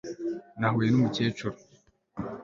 Nahuye numukecuru